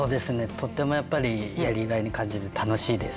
とってもやっぱりやりがいに感じて楽しいです。